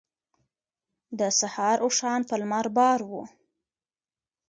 د سهار اوښان په لمر بار وو.